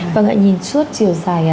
vâng ạ nhìn suốt chiều dài